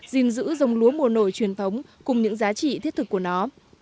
gìn giữ dòng lúa mùa nổi truyền thống cùng những giá trị thiết thực của nó